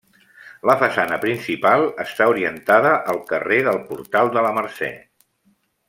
La façana principal està orientada al carrer del Portal de la Mercè.